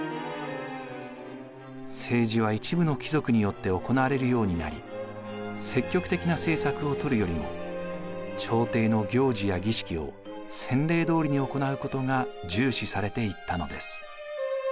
政治は一部の貴族によって行われるようになり積極的な政策をとるよりも朝廷の行事や儀式を先例どおりに行うことが重視されていったのです。